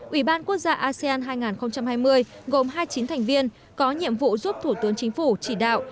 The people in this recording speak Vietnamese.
ủy ban quốc gia asean hai nghìn hai mươi gồm hai mươi chín thành viên có nhiệm vụ giúp thủ tướng chính phủ chỉ đạo